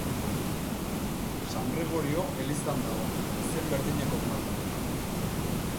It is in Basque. San Gregorio elizan dago, izen berdineko maldan.